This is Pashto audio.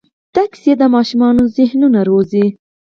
دا کیسې د ماشومانو ذهنونه روزي.